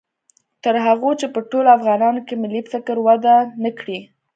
تر هغو چې په ټولو افغانانو کې ملي فکر وده و نه کړي